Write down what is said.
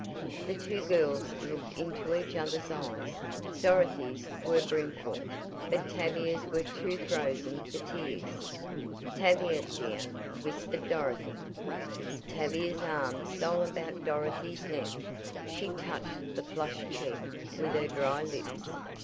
The two girls looked into each other's eyes. Dorothy's were brimful, but Tavia's were too "frozen" for tears. "Tavia, dear," whispered Dorothy. Tavia's arm stole about Dorothy's neck. She touched the flushed cheek with her dry lips.